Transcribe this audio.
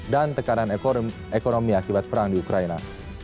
dan tekanan ekonomi akibat perang di ukraina